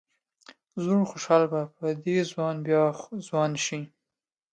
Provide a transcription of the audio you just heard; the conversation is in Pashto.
زوړ خوشال به په دې ځوان بیا ځوان شي.